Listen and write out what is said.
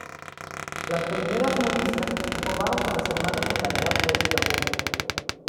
Las primeras novicias se formaron con las Hermanas de la Caridad de Estrasburgo.